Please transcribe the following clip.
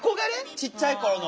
ちっちゃい頃の。